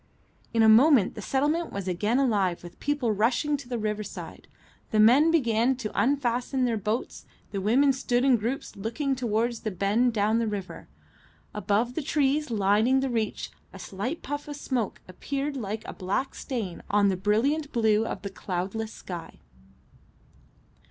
In a moment the settlement was again alive with people rushing to the riverside. The men began to unfasten their boats, the women stood in groups looking towards the bend down the river. Above the trees lining the reach a slight puff of smoke appeared like a black stain on the brilliant blue of the cloudless sky.